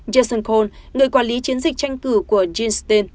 jason cole người quản lý chiến dịch tranh cử của jean stein